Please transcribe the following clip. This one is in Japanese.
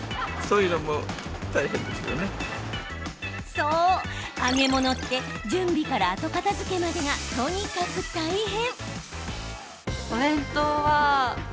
そう、揚げ物って準備から後片づけまでがとにかく大変。